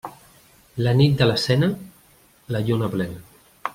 La nit de la Cena, la lluna plena.